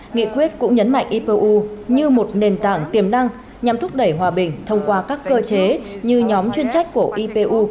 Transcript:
nghị quyết cũng nhấn mạnh ipu như một nền tảng tiềm năng nhằm thúc đẩy hòa bình thông qua các cơ chế như nhóm chuyên trách của ipu